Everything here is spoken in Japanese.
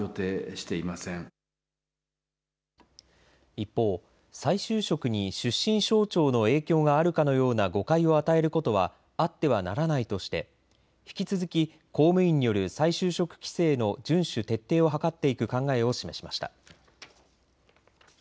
一方、再就職に出身省庁の影響があるかのような誤解を与えることはあってはならないとして引き続き公務員による再就職規制の順守徹底を図っていく考えを示しました。